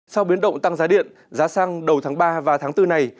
sau biến động tăng giá điện giá xăng đầu tháng ba và tháng bốn này